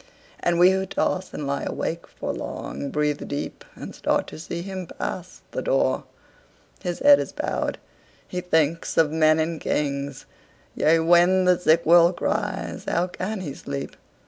And we who toss and lie awake for long, Breathe deep, and start, to see him pass the door. His head is bowed. He thinks of men and kings. Yea, when the sick world cries, how can he sleep?